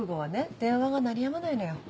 電話が鳴りやまないのよ。